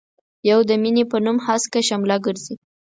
يو د مينې په نوم هسکه شمله ګرزي.